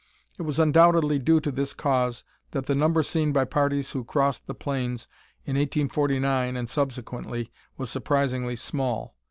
It was undoubtedly due to this cause that the number seen by parties who crossed the plains in 1849 and subsequently, was surprisingly small.